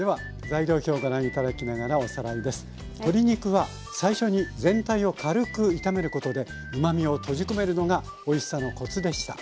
鶏肉は最初に全体を軽く炒めることでうまみを閉じ込めるのがおいしさのコツでした。